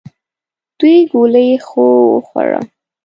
دوې ګولې خو وخوره !